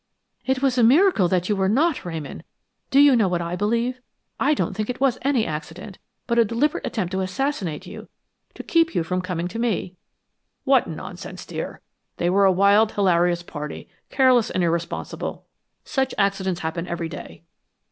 "It was a miracle that you were not, Ramon. Do you know what I believe? I don't think it was any accident, but a deliberate attempt to assassinate you; to keep you from coming to me." "What nonsense, dear! They were a wild, hilarious party, careless and irresponsible. Such accidents happen every day."